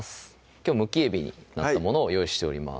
きょうむきえびになったものを用意しております